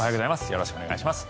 よろしくお願いします。